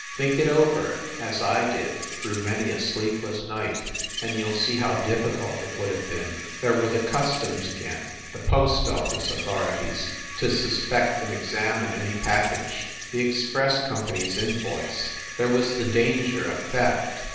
Think it over (as I did through many a sleepless night) and you ll see huw difficult it would have been. There were the cus toms again the post office authorities to suspect and examine any package the express company s invoice there was the danger of theft.